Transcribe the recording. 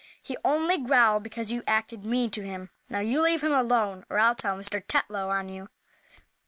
"He only growled because you acted mean to him. Now you leave him alone, or I'll tell Mr. Tetlow on you."